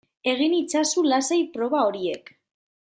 Egin itzazu lasai proba horiek